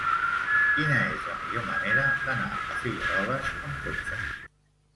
Quina és la millor manera d'anar a Figueroles amb cotxe?